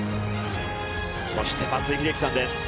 そして松井秀喜さんです。